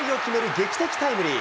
劇的タイムリー。